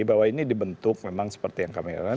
bahwa ini dibentuk memang seperti yang kami heran